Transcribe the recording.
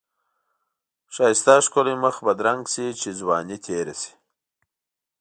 ښایسته ښکلی مخ بدرنګ شی چی ځوانی تیره شی.